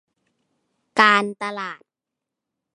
การตลาด